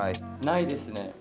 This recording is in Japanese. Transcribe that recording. ないですね。